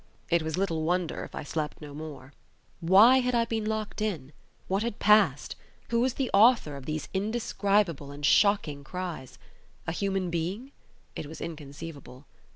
It was little wonder if I slept no more. Why had I been locked in? What had passed? Who was the author of these indescribable and shocking cries? A human being? It was inconceivable.